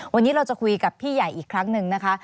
วันนี้เราจะคุยกับพี่ใหญ่อีกครั้งหนึ่งนะคะ